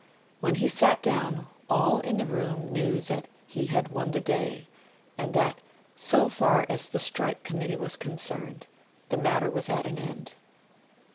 When he sat down all in the room knew that he had won the day, and that, so far as the Strike Committee was concerned, the matter was at an end.'